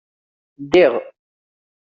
Ddiɣ